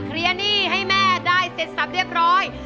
เคลียร์หนี้ให้แม่ได้เสร็จสรรพ์เรียบร้อย